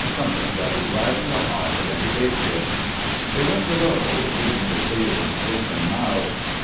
Something that will gladden the heart of any patriot!" They went below, leaving the sailors open mouthed.